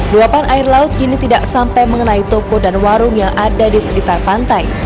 luapan air laut kini tidak sampai mengenai toko dan warung yang ada di sekitar pantai